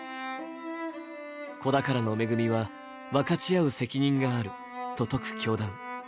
子宝の恵みは分かち合う責任があると説く教団。